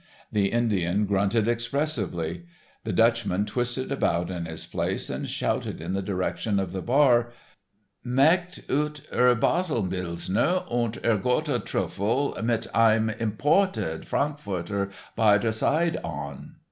The Indian grunted expressively. The Dutchman twisted about in his place and shouted in the direction of the bar: "Mek ut er bottle Billzner und er Gotha druffle, mit ein im borted Frankfooter bei der side on."